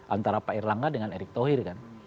antara pak erlangga dengan erick thohir kan